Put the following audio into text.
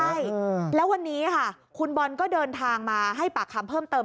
ใช่แล้ววันนี้ค่ะคุณบอลก็เดินทางมาให้ปากคำเพิ่มเติม